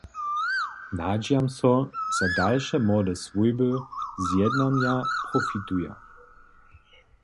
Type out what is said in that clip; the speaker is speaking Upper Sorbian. Nadźijam so, zo dalše młode swójby z jednanja profituja.